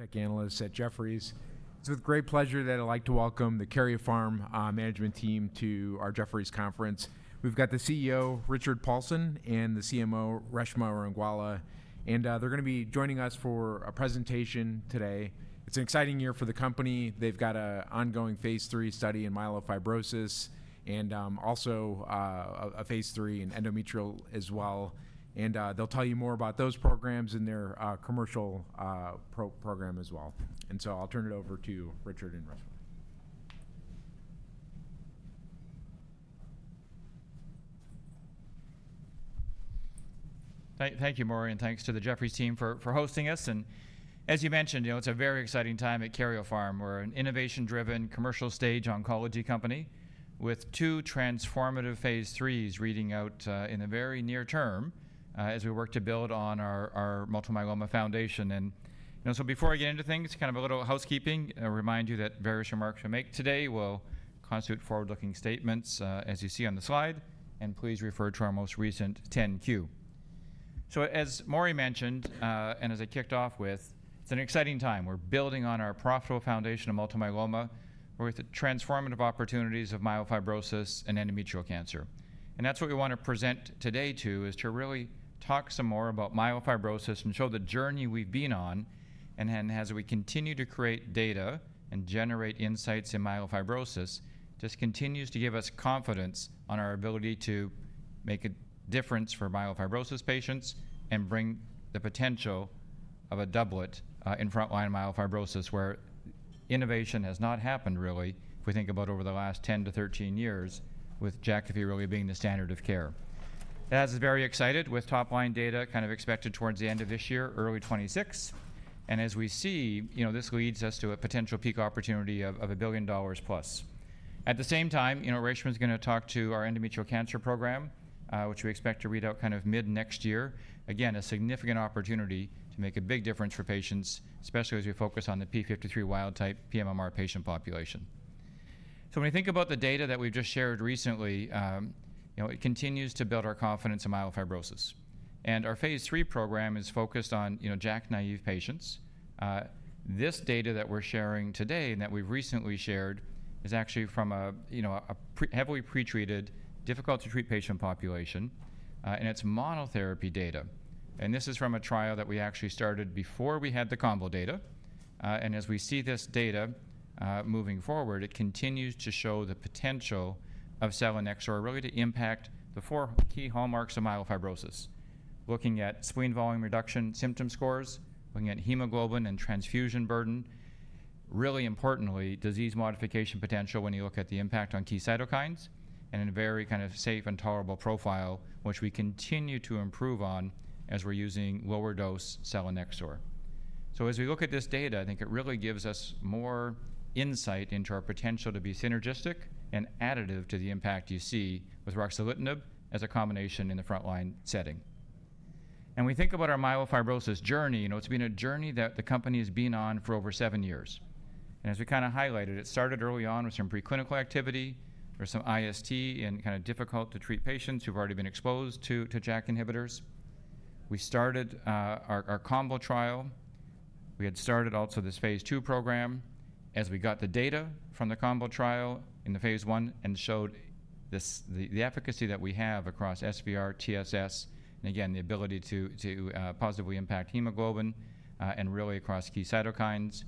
Tech analysts at Jefferies. It's with great pleasure that I'd like to welcome the Karyopharm management team to our Jefferies conference. We've got the CEO Richard Paulson and the CMO Reshma Rangwala and they're going to be joining us for a presentation today. It's an exciting year for the company. They've got an ongoing phase III study in myelofibrosis and also a phase III in endometrial as well. They'll tell you more about those programs in their commercial program as well. I'll turn it over to Richard and Reshma. Thank you Maury and thanks to the Jefferies team for hosting us. As you mentioned, you know it's a very exciting time at Karyopharm. We're an innovation driven commercial stage oncology company with two transformative phase III's reading out in the very near term as we work to build on Multiple Myeloma foundation. Before I get into things, kind of a little housekeeping, remind you that various remarks we make today will constitute forward-looking statements as you see on the slide. Please refer to our most recent 10Q. As Maury mentioned and as I kicked off with, it's an exciting time, we're building on our profitable foundation of Multiple Myeloma with transformative opportunities of myelofibrosis and endometrial cancer. That's what we want to present today too, to really talk some more about myelofibrosis and show the journey we've been on. As we continue to create data and generate insights in myelofibrosis, it just continues to give us confidence in our ability to make a difference for myelofibrosis patients and bring the potential of a doublet in frontline myelofibrosis where innovation has not happened. Really if we think about over the last 10-13 years with Jakafi really being the standard of care as is, very excited with top line data kind of expected towards the end of this year, early 2026. As we see, you know, this leads us to a potential peak opportunity of $1 billion plus. At the same time, you know, Reshma is going to talk to our endometrial cancer program which we expect to read out kind of mid next year. Again, a significant opportunity to make a big difference for patients. Especially as we focus on the p53 wild type pMMR patient population. When you think about the data that we've just shared recently, it continues to build our confidence in myelofibrosis. Our phase III program is focused on JAK naive patients. This data that we're sharing today and that we've recently shared is actually from a heavily pretreated, difficult to treat patient population and it's monotherapy data. This is from a trial that we actually started before we had the combo data. As we see this data moving forward, it continues to show the potential of Selinexor really to impact the four key hallmarks of myelofibrosis. Looking at spleen volume reduction, symptom scores, looking at hemoglobin and transfusion burden, really importantly disease modification potential. When you look at the impact on key cytokines and in very kind of safe and tolerable profile which we continue to improve on as we're using lower dose Selinexor. As we look at this data, I think it really gives us more insight into our potential to be synergistic and additive to the impact you see with ruxolitinib as a combination in the frontline setting. We think about our myelofibrosis journey. You know, it's been a journey that the company has been on for over seven years and as we kind of highlighted, it started early on with some preclinical activity. There is some IST and kind of difficult to treat patients who have already been exposed to JAK inhibitors. We started our combo trial. We had started also this phase II program as we got the data from the combo trial in the phase I and showed the efficacy that we have across SVR, TSS, and again the ability to positively impact hemoglobin and really across key cytokines.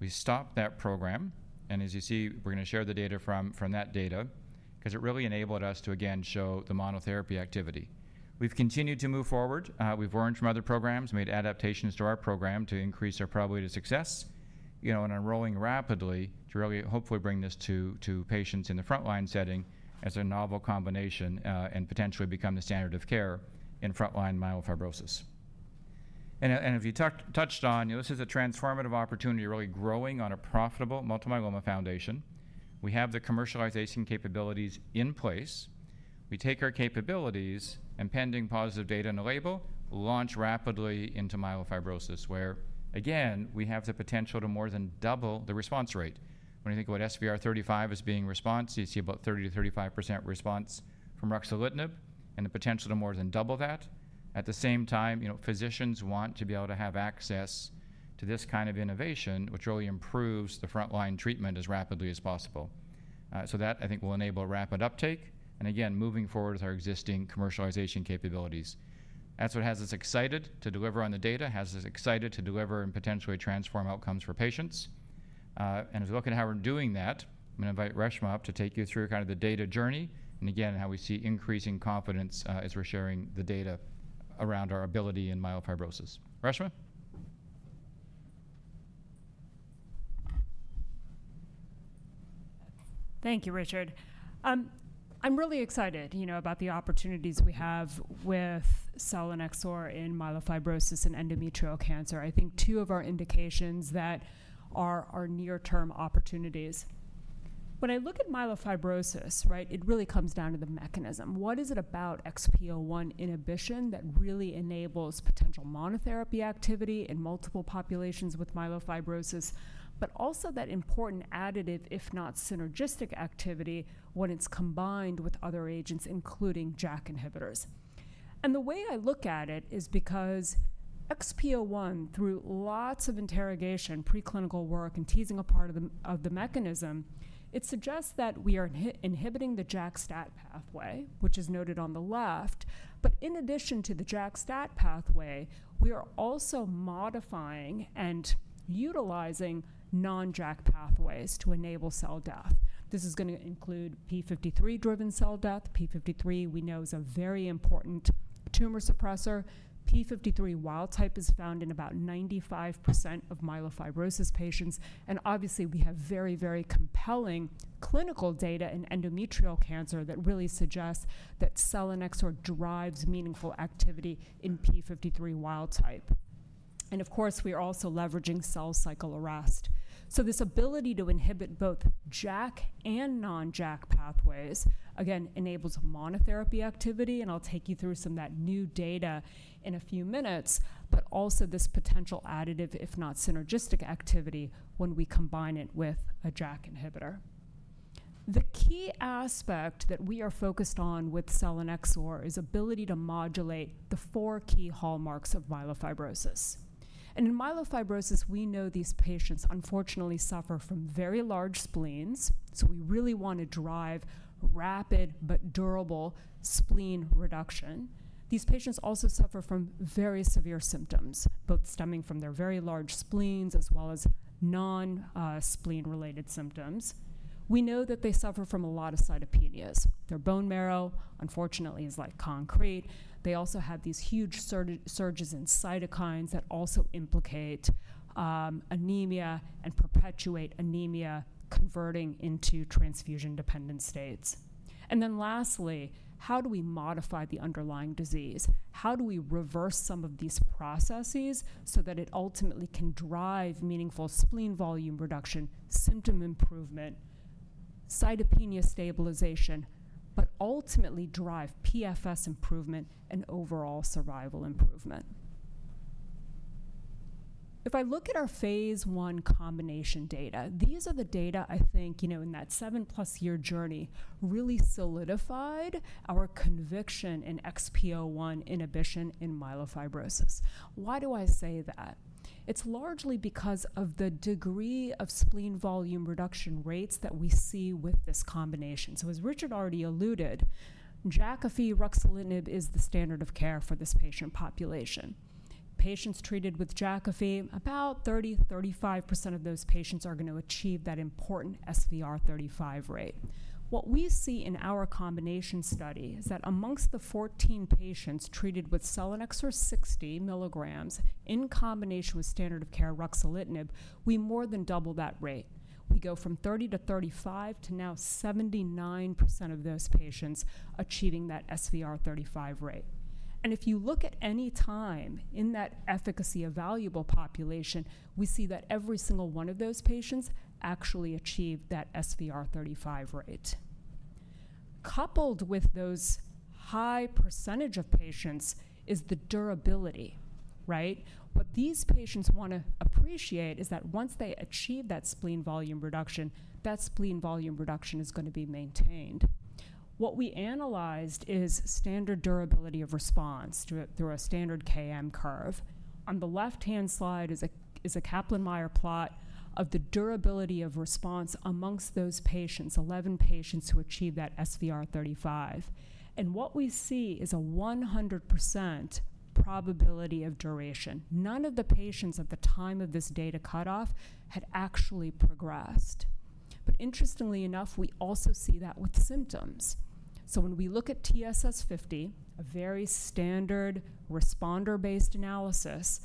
We stopped that program and as you see we're going to share the data from that data because it really enabled us to again show the monotherapy activity. We've continued to move forward, we've learned from other programs, made adaptations to our program to increase our probability of success, you know, and enrolling rapidly to really hopefully bring this to patients in the frontline setting as a novel combination and potentially become the standard of care in frontline myelofibrosis. If you touched on this, this is a transformative opportunity, really growing on a profitable Multiple Myeloma foundation. We have the commercialization capabilities in place. We take our capabilities and, pending positive data and a label, launch rapidly into myelofibrosis where again we have the potential to more than double the response rate. When you think about SVR35 as being response, you see about 30%-35% response from ruxolitinib and the potential to more than double that. At the same time, you know, physicians want to be able to have access to this kind of innovation which really improves the frontline treatment as rapidly as possible. That I think will enable rapid uptake and again, moving forward with our existing commercialization capabilities. That is what has us excited to deliver on the data, has us excited to deliver and potentially transform outcomes for patients. As we look at how we are doing that, going to invite Reshma up to take you through kind of the data journey. Again, how we see increasing confidence as we are sharing the data around our ability in myelofibrosis. Reshma. Thank you, Richard. I'm really excited, you know, about the opportunities we have with Selinexor in myelofibrosis and endometrial cancer. I think two of our indications that are our near term opportunities. When I look at myelofibrosis, it really comes down to the mechanism. What is it about XPO1 inhibition that really enables potential monotherapy activity in multiple populations with myelofibrosis? Also, that important additive, if not synergistic, activity when it's combined with other agents, including JAK inhibitors. The way I look at it is because XPO1, through lots of interrogation, preclinical work and teasing apart of the mechanism, it suggests that we are inhibiting the JAK-STAT pathway, which is noted on the left. In addition to the JAK-STAT pathway, we are also modifying and utilizing non-JAK pathways to enable cell death. This is going to include p53-driven cell death. p53, we know, is a very important tumor suppressor. p53 wild type is found in about 95% of myelofibrosis patients. We have very, very compelling clinical data in endometrial cancer that really suggests that Selinexor drives meaningful activity in p53 wild type. We are also leveraging cell cycle arrest. This ability to inhibit both JAK and non-JAK pathways again enables monotherapy activity. I will take you through some of that new data in a few. There is also this potential additive, if not synergistic, activity when we combine it with a JAK inhibitor. The key aspect that we are focused on with Selinexor is its ability to modulate the four key hallmarks of myelofibrosis. In myelofibrosis, we know these patients unfortunately suffer from very large spleens. We really want to drive rapid but durable spleen reduction. These patients also suffer from very severe symptoms, both stemming from their very large spleens as well as non-spleen related symptoms. We know that they suffer from a lot of cytopenias. Their bone marrow unfortunately is like concrete. They also have these huge surges in cytokines that also implicate anemia and perpetuate anemia converting into transfusion dependent states. Lastly, how do we modify the underlying disease, how do we reverse some of these processes so that it ultimately can drive meaningful spleen volume reduction, symptom improvement, cytopenia stabilization, but ultimately drive PFS improvement and overall survival improvement? If I look at our phase I combination data, these are the data I think in that seven plus year journey really solidified our conviction in XPO1 inhibition in myelofibrosis. Why do I say that? It's largely because of the degree of spleen volume reduction rates that we see with this combination. As Richard already alluded, Jakafi, ruxolitinib, is the standard of care for this patient population. Patients treated with Jakafi, about 30%-35% of those patients are going to achieve that important SVR35 rate. What we see in our combination study is that amongst the 14 patients treated with Selinexor 60 mg in combination with standard of care ruxolitinib, we more than double that rate. We go from 30%-35% to now 79% of those patients achieving that SVR35 rate. If you look at any time in that efficacy evaluable population, we see that every single one of those patients actually achieve that SVR35 rate. Coupled with those high % of patients is the durability, right? What these patients want to appreciate is that once they achieve that spleen volume reduction, that spleen volume reduction is going to be maintained. What we analyzed is standard durability of response through a standard KM curve. On the left hand side is a Kaplan Meier plot of the durability of response amongst those patients. Eleven patients who achieved that SVR35 and what we see is a 100% probability of duration. None of the patients at the time of this data cutoff had actually progressed. Interestingly enough we also see that with symptoms. When we look at TSS50, a very standard responder based analysis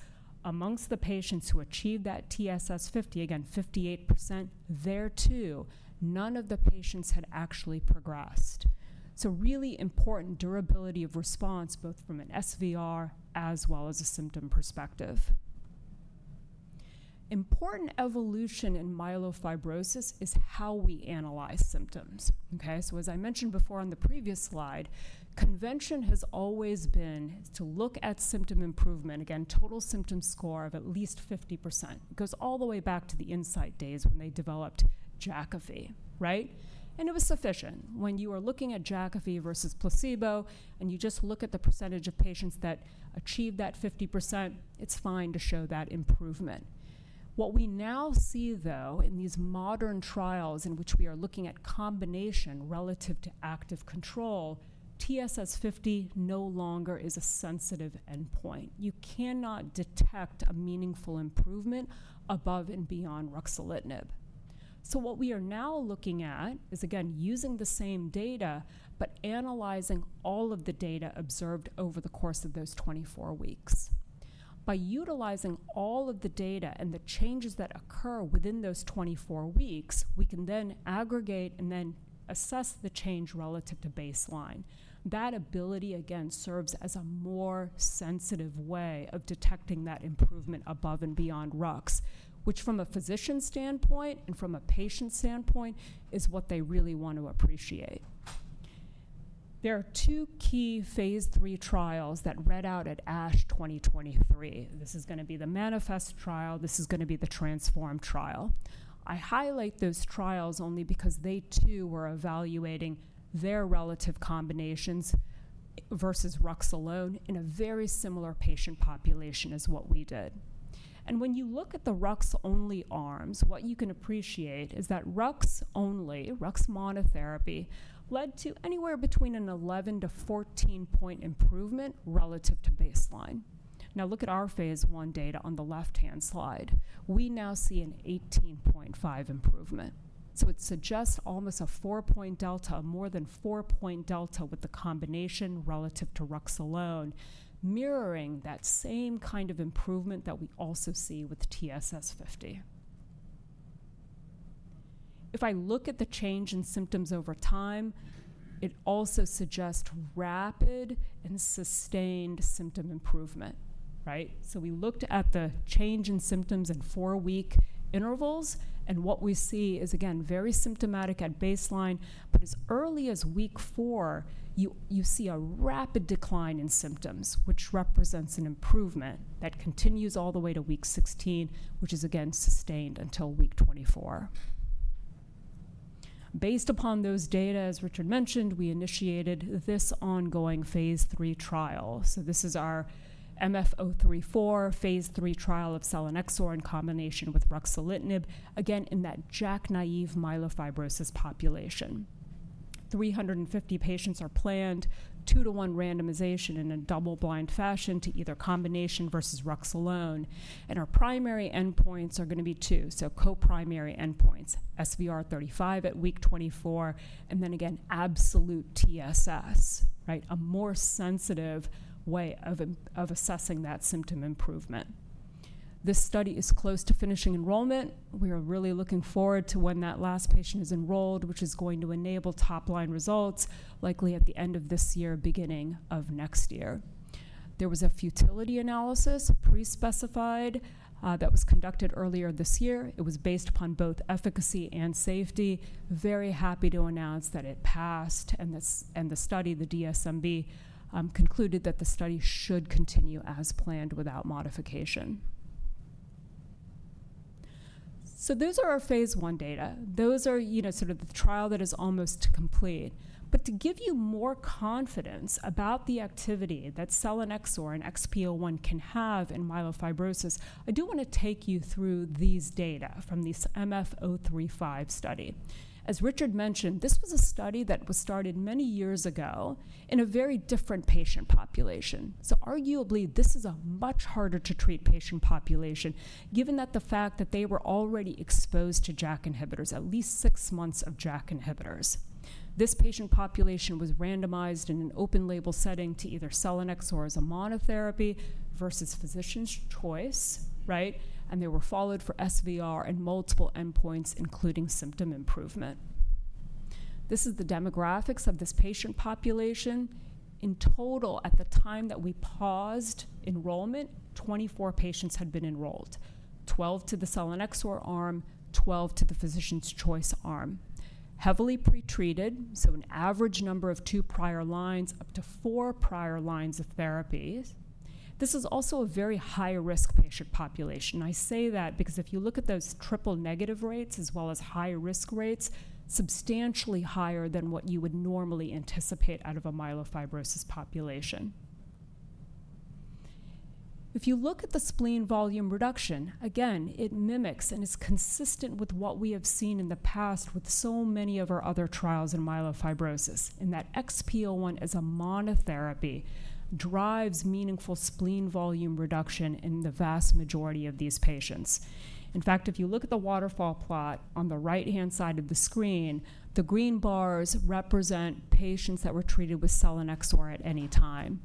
amongst the patients who achieved that TSS50, again 58% there too, none of the patients had actually progressed. Really important durability of response, both from an SVR as well as a symptom perspective, important evolution in myelofibrosis is how we analyze symptoms. Okay, as I mentioned before on the previous slide, convention has always been to look at symptom improvement. Again, total symptom score of at least 50% goes all the way back to the insight days when they developed Jakafi. Right. It was sufficient. When you are looking at Jakafi versus placebo and you just look at the percentage of patients that achieved that 50%, it's fine to show that improvement. What we now see though, in these modern trials in which we are looking at combination relative to active control, TSS50 no longer is a sensitive endpoint. You cannot detect a meaningful improvement above and beyond ruxolitinib. What we are now looking at is again using the same data, but analyzing all of the data observed over the course of those 24 weeks. By utilizing all of the data and the changes that occur within those 24 weeks, we can then aggregate and then assess the change relative to baseline. That ability, again, serves as a more sensitive way of detecting that improvement above and beyond RUX, which from a physician standpoint and from a patient standpoint, is what they really want to appreciate. There are two key phase III trials that read out at ASH 2023. This is going to be the MANIFEST trial, this is going to be the TRANSFORM trial. I highlight those trials only because they too were evaluating their relative combinations versus RUX alone in a very similar patient population as what we did. When you look at the RUX only arms, what you can appreciate is that RUX only, RUX monotherapy, led to anywhere between an 11-14 point improvement relative to baseline. Now look at our phase I data on the left hand slide. We now see an 18.5 improvement. It suggests almost a 4 point delta, more than 4 point delta, with the combination relative to RUX alone, mirroring that same kind of improvement that we also see with TSS50. If I look at the change in symptoms over time, it also suggests rapid and sustained symptom improvement. Right. We looked at the change in symptoms in four week intervals, and what we see is again very symptomatic at baseline. As early as week four, you. You see a rapid decline in symptoms, which represents an improvement that continues all the way to week 16, which is again sustained until week 24. Based upon those data, as Richard mentioned, we initiated this ongoing phase III trial. This is our MF-034 phase III trial of Selinexor in combination with ruxolitinib. Again, in that JAK-naive myelofibrosis population. 350 patients are planned, two-to-one randomization in a double-blind fashion to either combination versus ruxolitinib alone. Our primary endpoints are going to be two, so co-primary endpoints: SVR35 at week 24 and then again absolute TSS. Right, a more sensitive way of assessing that symptom improvement. This study is close to finishing enrollment. We are really looking forward to when that last patient is enrolled, which is going to enable top line results likely at the end of this year, beginning of next year. There was a futility analysis pre-specified that was conducted earlier this year. It was based upon both efficacy and safety. Very happy to announce that it passed, and the study. The DSMB concluded that the study should continue as planned without modification. Those are our phase I data. Those are sort of the trial that is almost complete. To give you more confidence about the activity that Selinexor and XPO1 can have in myelofibrosis, I do want to take you through these data from this MF-035 study. As Richard mentioned, this was a study that was started many years ago in a very different patient population. Arguably this is a much harder to treat patient population given the fact that they were already exposed to JAK inhibitors, at least six months of JAK inhibitors. This patient population was randomized in an open label setting to either Selinexor as a monotherapy versus physician's choice. Right. They were followed for SVR and multiple endpoints including symptom improvement. This is the demographics of this patient population. In total, at the time that we paused enrollment, 24 patients had been enrolled, 12 to the Selinexor arm, 12 to the physician's choice arm, heavily pretreated. An average number of two prior lines, up to four prior lines of therapies. This is also a very high risk patient population. I say that because if you look at those triple negative rates as well as high risk rates, substantially higher than what you would normally anticipate out of a myelofibrosis population. If you look at the spleen volume reduction, again it mimics and is consistent with what we have seen in the past with so many of our other trials in myelofibrosis. That XPO1 as a monotherapy drives meaningful spleen volume reduction in the vast majority of these patients. In fact, if you look at the waterfall plot on the right hand side of the screen, the green bars represent patients that were treated with Selinexor at any time.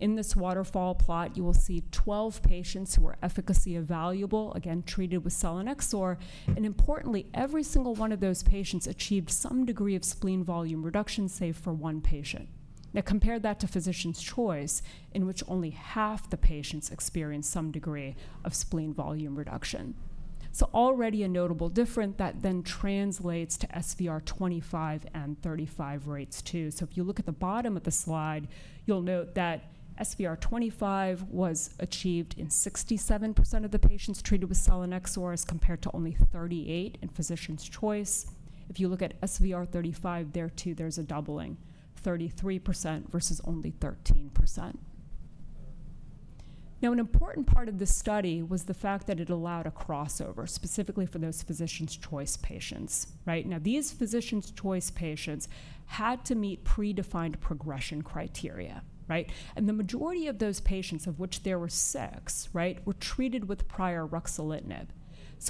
In this waterfall plot you will see 12 patients who are efficacy evaluable, again, treated with Selinexor. Importantly, every single one of those patients achieved some degree of spleen volume reduction, save for one patient. Now compare that to physician's choice, in which only half the patients experience some degree of spleen volume reduction. Already a notable difference, that then translates to SVR25 and SVR35 rates too. If you look at the bottom of the slide, you'll note that SVR25 was achieved in 67% of the patients treated with Selinexor as compared to only 38% in physician's choice. If you look at SVR35, there too, there's a doubling, 33% versus only 13%. An important part of this study was the fact that it allowed a crossover specifically for those physician's choice patients. Right? Now, these physician's choice patients had to meet predefined progression criteria, right? The majority of those patients, of which there were six, were treated with prior ruxolitinib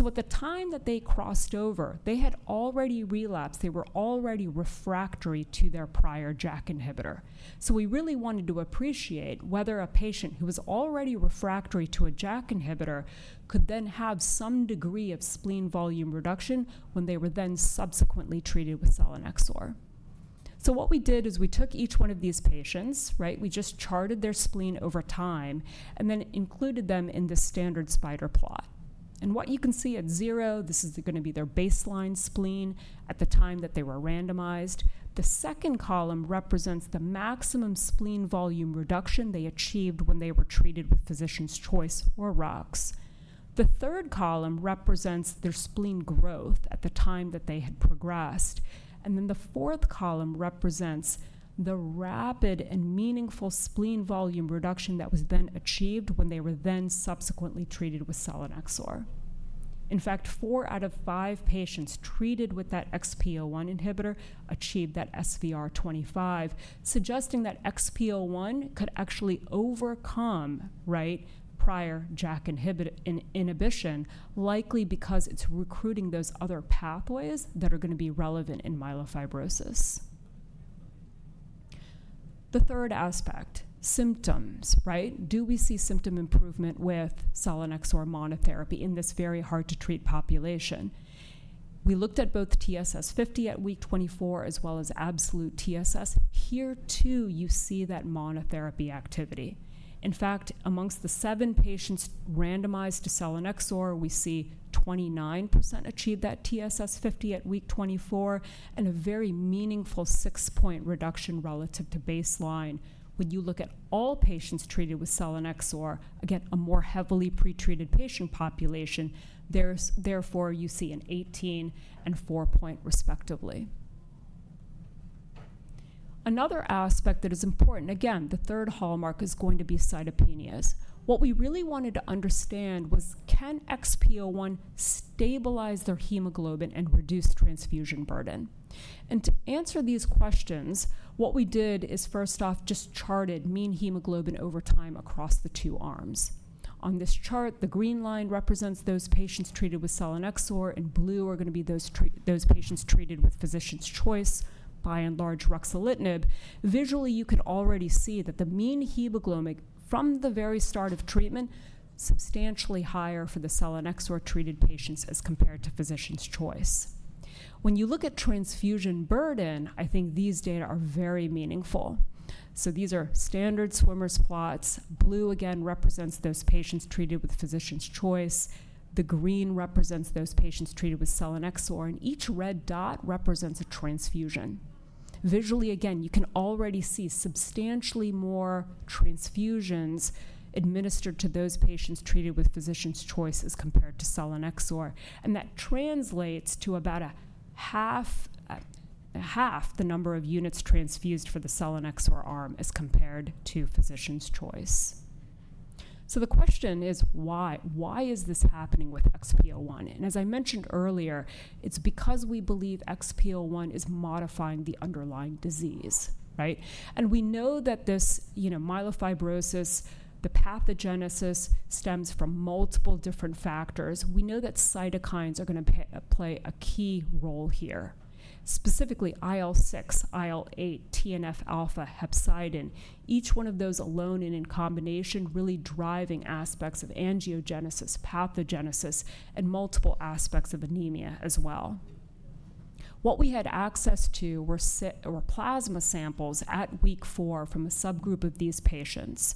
at the time that they crossed over. They had already relapsed, they were already refractory to their prior JAK inhibitor. We really wanted to appreciate whether a patient who was already refractory to a JAK inhibitor could then have some degree of spleen volume reduction when they were then subsequently treated with Selinexor. What we did is we took each one of these patients, we just charted their spleen over time and then included them in the standard spider plot. What you can see at zero, this is going to be their baseline spleen at the time that they were randomized. The second column represents the maximum spleen volume reduction they achieved when they were treated with Physician's Choice or RUX. The third column represents their spleen growth at the time that they had progressed. The fourth column represents the rapid and meaningful spleen volume reduction that was then achieved when they were then subsequently treated with Selinexor. In fact, four out of five patients treated with that XPO1 inhibitor achieved that SVR25, suggesting that XPO1 could actually overcome, right, prior JAK inhibition? Likely, because it is recruiting those other pathways that are going to be relevant in myelofibrosis. The third aspect, symptoms. Right. Do we see symptom improvement with Selinexor monotherapy in this very hard to treat population? We looked at both TSS50 at week 24 as well as absolute TSS. Here too, you see that monotherapy activity. In fact, amongst the seven patients randomized to Selinexor, we see 29% achieved that TSS50 at week 24 and a very meaningful six point reduction relative to baseline. When you look at all patients treated with Selinexor, again a more heavily pretreated patient population, therefore you see an 18 and 4 point respectively. Another aspect that is important, again, the third hallmark is going to be cytopenias. What we really wanted to understand was can XPO1 stabilize their hemoglobin and reduce transfusion burden? To answer these questions, what we did is first off, just charted mean hemoglobin over time across the two arms on this chart. The green line represents those patients treated with Selinexor and blue are gonna be those patients treated with physician's choice, by and large ruxolitinib. Visually you could already see that the mean hemoglobin from the very start of treatment substantially higher for the Selinexor treated patients as compared to physician's choice. When you look at transfusion burden, I think these data are very meaningful. These are standard swimmers plots. Blue again represents those patients treated with physician's choice. The green represents those patients treated with Selinexor and each red dot represents a transfusion. Visually again, you can already see substantially more transfusions administered to those patients treated with physician's choice as compared to Selinexor. That translates to about half the number of units transfused for the Selinexor arm as compared to physician's choice. The question is why? Why is this happening with XPO1? As I mentioned earlier, it's because we believe XPO1 is modifying the underlying disease. Right? We know that this myelofibrosis, the pathogenesis stems from multiple different factors. We know that cytokines are going to play a key role here. Specifically IL-6, IL-8, TNF-alpha, hepcidin, each one of those alone and in combination really driving aspects of angiogenesis, pathogenesis and multiple aspects of anemia as well. What we had access to were plasma samples at week four from a subgroup of these patients.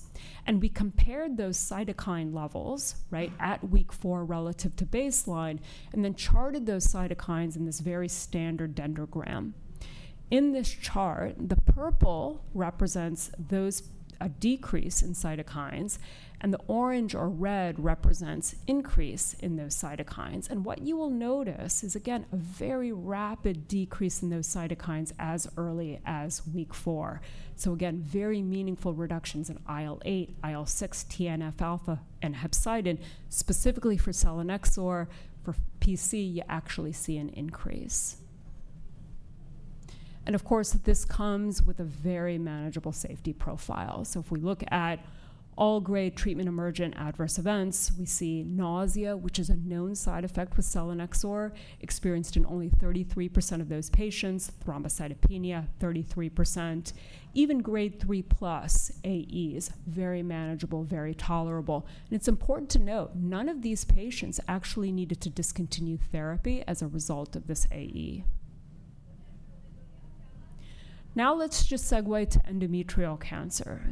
We compared those cytokine levels at week four relative to baseline and then charted those cytokines in this very standard dendrogram. In this chart, the purple represents a decrease in cytokines and the orange or red represents increase in those cytokines. What you will notice is again a very rapid decrease in those cytokines as early as week four. Again, very meaningful reductions in IL-8, IL-6, TNF alpha, and hepcidin. Specifically for Selinexor. For PC, you actually see an increase. Of course, this comes with a very manageable safety profile. If we look at all grade treatment emergent adverse events, we see nausea, which is a known side effect with Selinexor, experienced in only 33% of those patients. Thrombocytopenia, 33%, even grade 3 plus AEs, very manageable, very tolerable. It is important to note none of these patients actually needed to discontinue therapy as a result of this AE. Now let's just segue to endometrial cancer.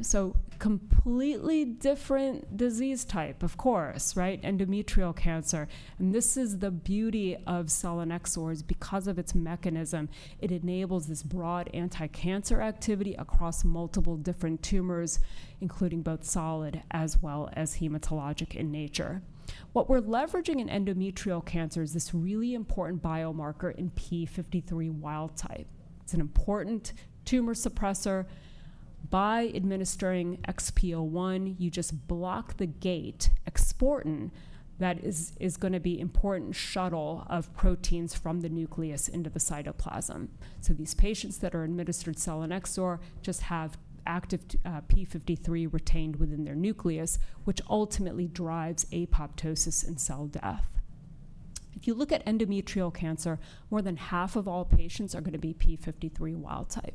Completely different disease type. Of course, endometrial cancer. This is the beauty of Selinexor is because of its mechanism, it enables this broad anti-cancer activity across multiple different tumors, including both solid as well as hematologic in nature. What we're leveraging in endometrial cancer is this really important biomarker in p53 wild type. It's an important tumor suppressor. By administering XPO1, you just block the gate exportin that is going to be important. Shuttle of proteins from the nucleus into the cytoplasm. These patients that are administered Selinexor just have active p53 retained within their nucleus, which ultimately drives apoptosis and cell death. If you look at endometrial cancer, more than 1/2 of all patients are going to be p53 wild type.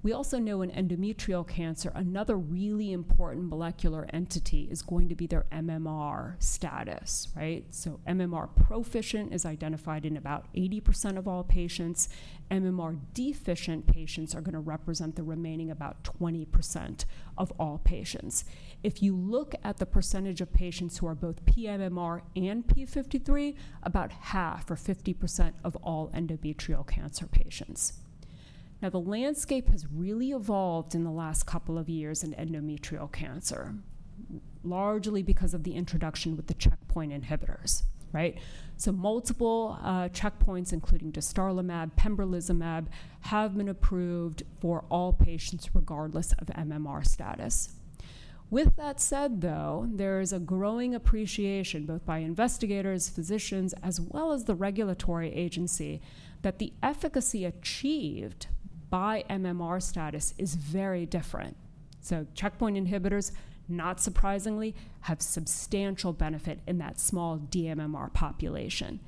We also know in endometrial cancer, another really important molecular entity is going to be their MMR status, right? So MMR proficient is identified in about 80% of all patients. MMR deficient patients are going to represent the remaining about 20% of all patients. If you look at the percentage of patients who are both pMMR and p53, about 1/2 or 50% of all endometrial cancer patients. Now the landscape has really evolved in the last couple of years in endometrial cancer largely because of the introduction with the checkpoint inhibitors, right? Multiple checkpoints, including dostarlimab, pembrolizumab, have been approved for all patients regardless of MMR status. With that said, though, there is a growing appreciation, both by investigators, physicians as well as the regulatory agency that the efficacy achieved by MMR status is very different. Checkpoint inhibitors, not surprisingly, have substantial benefit in that small DMMR population,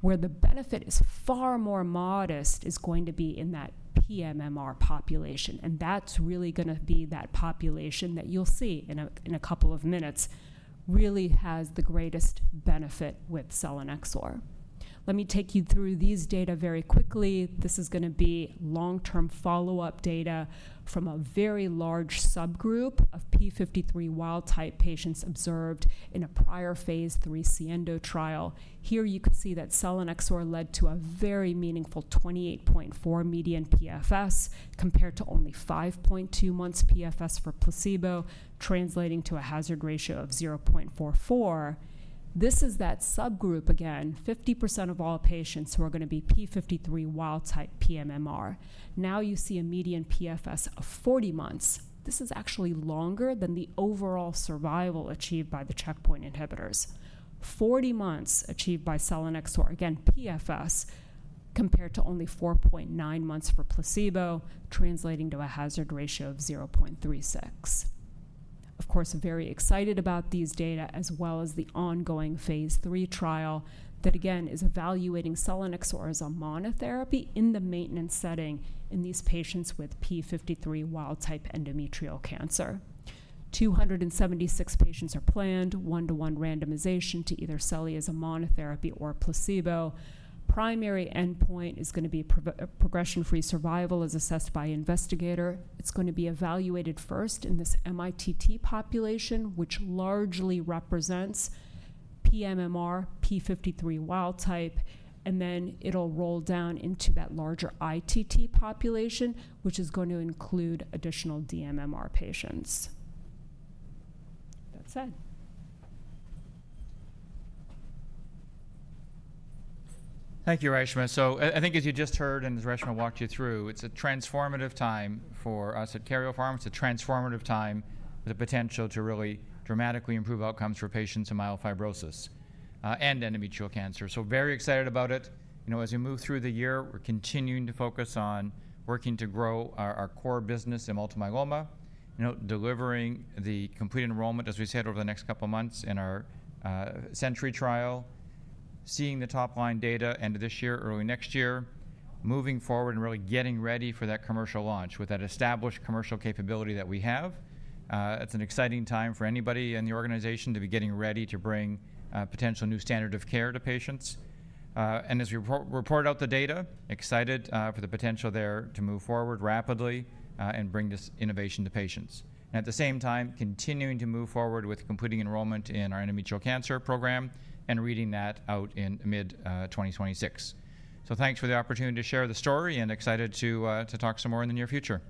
where the benefit is far more modest is going to be in that pMMR population. That is really going to be that population that you'll see in a couple of minutes really has the greatest benefit with Selinexor. Let me take you through these data very quickly. This is going to be long term follow up data from a very large subgroup of p53 wild-type patients observed in a prior phase III SIENDO trial. In here you can see that Selinexor led to a very meaningful 28.4 median PFS compared to only 5.2 months PFS for placebo, translating to a hazard ratio of 0.44. This is that subgroup. Again, 50% of all patients who are going to be p53 wild type pMMR. Now you see a median PFS of 40 months. This is actually longer than the overall survival achieved by the checkpoint inhibitors. Forty months achieved by Selinexor, again PFS, compared to only 4.9 months for placebo, translating to a hazard ratio of 0.36. Of course, very excited about these data as well as the ongoing phase III trial that again is evaluating Selinexor as a monotherapy in the maintenance setting in these patients with p53 wild type endometrial cancer. 276 patients are planned, one to one randomization to either Selinexor as a monotherapy or placebo. Primary endpoint is going to be progression free survival as assessed by investigator. It's going to be evaluated first in this MITT population which largely represents pMMR p53 wild type and then it'll roll down into that larger ITT population which is going to include additional dMMR patients. That said. Thank you Reshma. I think as you just heard and as Reshma walked you through, it's a transformative time for us at Karyopharm. It's a transformative time, the potential to really dramatically improve outcomes for patients in myelofibrosis and endometrial cancer. Very excited about it. You know as we move through the year, we're continuing to focus on working to grow our core business in Multiple Myeloma. You know, delivering the complete enrollment as we said over the next couple months in our Century trial, seeing the top line data end of this year, early next year, moving forward and really getting ready for that commercial launch with that established commercial capability that we have. It's an exciting time for anybody in the organization to be getting ready to bring potential new standard of care to patients, and as we report out the data, excited for the potential there to move forward rapidly and bring this innovation to patients. At the same time, continuing to move forward with completing enrollment in our endometrial cancer program and reading that out in mid-2026. Thanks for the opportunity to share the story and excited to talk some more in the near future.